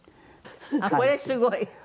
あっこれすごい。